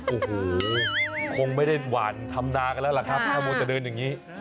โอ้โหคงไม่ได้หวานธรรมดากันเล่าหรอกครับจะเดินอย่างนี้